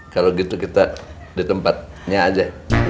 kalau gitu kita di tempatnya aja